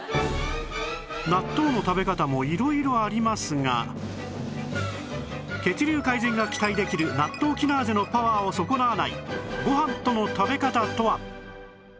納豆の食べ方も色々ありますが血流改善が期待できるナットウキナーゼのパワーを損なわないご飯との食べ方とは？